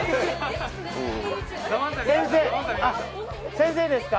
先生ですか？